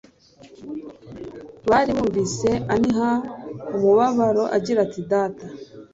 Bari bumvise anihana umubabaro agira ati: Data;